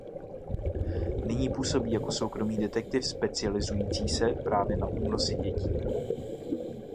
Nyní působí jako soukromý detektiv specializující se právě na únosy dětí.